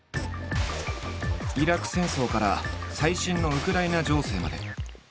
イラク戦争から最新のウクライナ情勢まで。